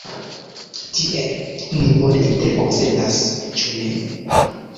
Tiel, ni bone interkonsentas, ĉu ne?